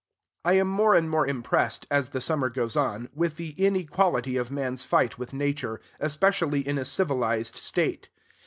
I am more and more impressed, as the summer goes on, with the inequality of man's fight with Nature; especially in a civilized state.